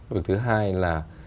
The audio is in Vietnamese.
việc thứ hai là